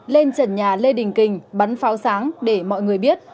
lên trần nhà lê đình kình bắn pháo sáng để mọi người biết